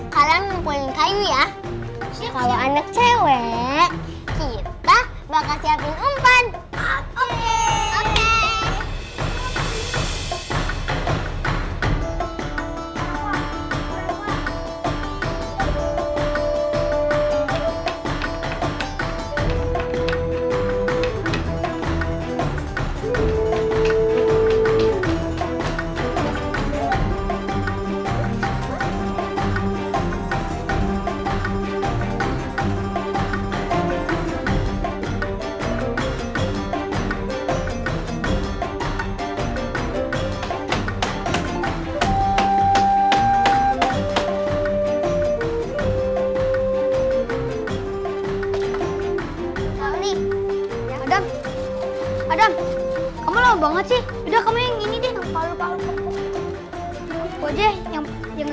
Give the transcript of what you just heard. kalian mempunyai kaini ya